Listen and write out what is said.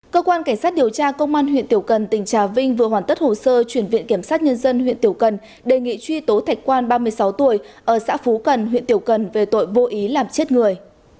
cơ quan cảnh sát điều tra công an huyện tiểu cần tỉnh trà vinh vừa hoàn tất hồ sơ chuyển viện kiểm sát nhân dân huyện tiểu cần đề nghị truy tố thạch quan ba mươi sáu tuổi ở xã phú cần huyện tiểu cần về tội vô ý làm chết người